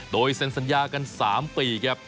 โดยเซ็นสัญญากัน๓ปีครับ